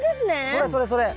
それそれそれ。